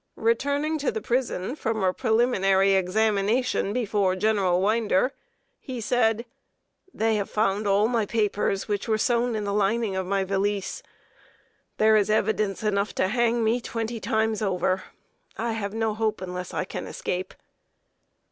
Returning to the prison from a preliminary examination before General Winder, he said: "They have found all my papers, which were sewn in the lining of my valise. There is evidence enough to hang me twenty times over. I have no hope unless I can escape."